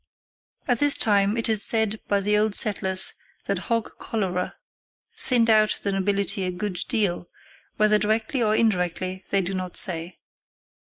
At this time, it is said by the old settlers that hog cholera thinned out the nobility a good deal, whether directly or indirectly they do not say.